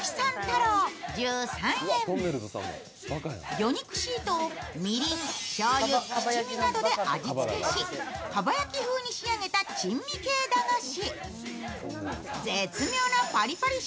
魚肉シートをみりん、しょうゆ、七味などで味付けし、かば焼き風に仕上げた珍味系駄菓子。